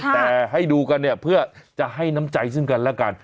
แต่ให้ดูกันเนี่ยเพื่อจะให้น้ำใจซึ่งกันแล้วกัน